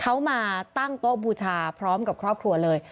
เขามาตั้งโต๊ะบูชาพร้อมกับครอบครัวเลย